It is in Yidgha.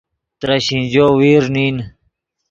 ترے شینجو ویرݱ نین